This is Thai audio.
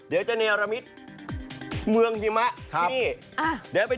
เดี๋ยวจะเนียรมิตเมืองหิมะที่นี่